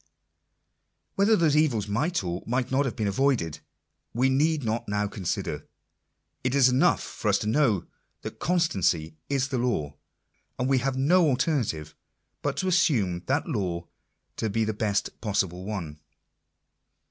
Whether those evils might or might not have been avoided, we need not now consider. It is enough for us to know that con stancy is the law, and we have no alternative but to assume that law to be the best possible one.